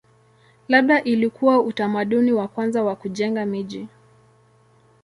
Labda ilikuwa utamaduni wa kwanza wa kujenga miji.